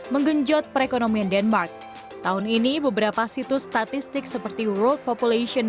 jadi udara hari ini di denmark lebih murah dari alternatif seperti kola atau fosil lain